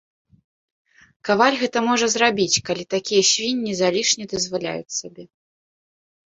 Каваль гэта можа зрабіць, калі такія свінні залішне дазваляюць сабе.